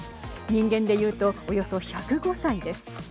人間でいうとおよそ１０５歳です。